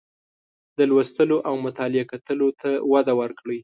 د لوستلو او مطالعې کلتور ته وده ورکړئ